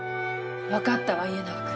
分かったわ家長君。